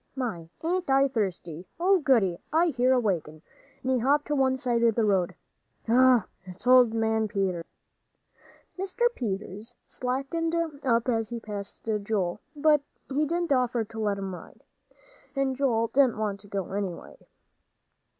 "My, ain't I thirsty! Oh, goody, I hear a wagon!" and he hopped to one side of the road. "Ugh it's old man Peters!" Mr. Peters slackened up as he passed Joel, but he didn't offer to let him ride. And Joel didn't want to, anyway.